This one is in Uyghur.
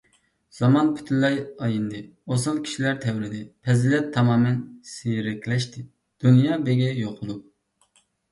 زامان پۈتۇنلەي ئاينىدى، ئوسال كىشىلەر تەۋرىدى، پەزىلەت تامامەن سىيرەكلەشتى، دۇنيا بېگى يوقۇلۇپ.